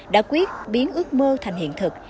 đã quyết biến ước mơ thành hiện thực